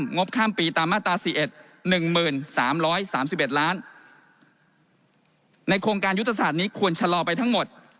ในโครงการยุตศาสตร์นี้ควรชะลอไปทั้งหมด